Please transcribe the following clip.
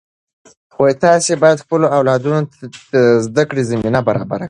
تاسې باید خپلو اولادونو ته د زده کړې زمینه برابره کړئ.